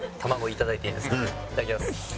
いただきます。